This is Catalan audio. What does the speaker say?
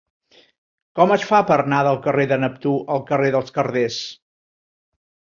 Com es fa per anar del carrer de Neptú al carrer dels Carders?